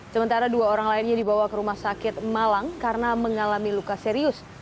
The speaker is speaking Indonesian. sementara dua orang lainnya dibawa ke rumah sakit malang karena mengalami luka serius